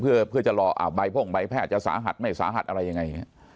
เพื่อจะรอใบพ่งใบแพทย์จะสาหัสไม่สาหัสอะไรยังไง